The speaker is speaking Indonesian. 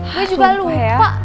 gue juga lupa